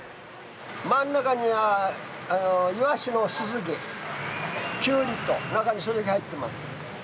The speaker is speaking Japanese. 真ん中にはイワシの酢漬けキュウリと中にそれだけ入ってます。